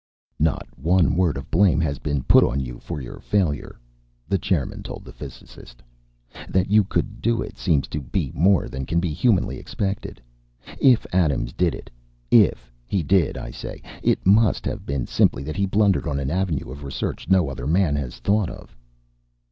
"Not one word of blame has been put on you for your failure," the chairman told the physicist. "That you could do it seems to be more than can be humanly expected. If Adams did it if he did, I say it must have been simply that he blundered on an avenue of research no other man has thought of."